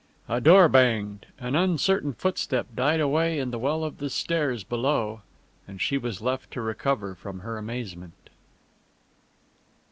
A door banged, an uncertain footstep died away in the well of the stairs below, and she was left to recover from her amazement.